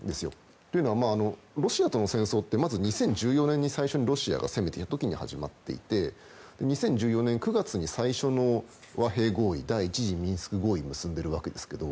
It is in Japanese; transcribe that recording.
というのはロシアとの戦争ってまず２０１４年に最初にロシアが攻めた時に始まっていて２０１４年９月に最初の和平合意第１次ミンスク合意が済んでいるわけですけども